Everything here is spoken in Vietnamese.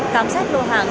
cám xét lô hàng